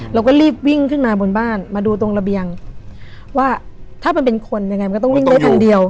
เราก็รีบวิ่งขึ้นมาบนบ้านมาดูตรงระเบียงว่าถ้ามันเป็นคนยังไงมันก็ต้องวิ่งได้ทางเดียว